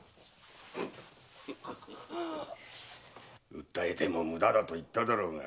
訴えても無駄だと言っただろうが。